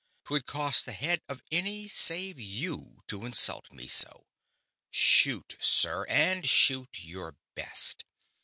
'Twould cost the head of any save you to insult me so shoot, sir, and shoot your best!"